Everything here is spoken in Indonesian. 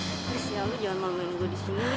chris ya lu jangan maluin gue disini